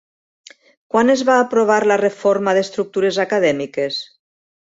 Quan es va aprovar la reforma d'estructures acadèmiques?